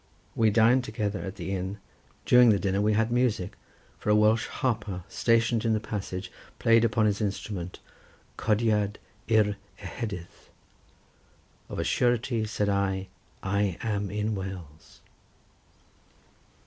We dined together at the inn; during the dinner we had music, for a Welsh harper stationed in the passage played upon his instrument "Codiad yr ehedydd." "Of a surety," said I, "I am in Wales!"